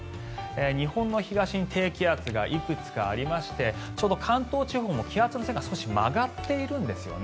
日本の東に低気圧がいくつかありましてちょうど関東地方も気圧の線が曲がっているんですよね。